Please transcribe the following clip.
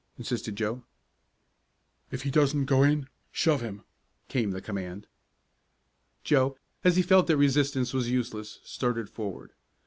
insisted Joe. "If he doesn't go in, shove him," came the command. Joe, as he felt that resistance was useless, started forward.